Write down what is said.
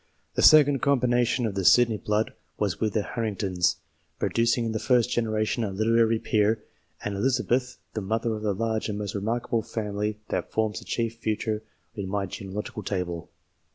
The second combination of the Sydney blood was with the Harringtons, producing in the first generation a literary peer, and Elizabeth the mother of the large and most remarkable family that forma the chief feature in my genealogical table.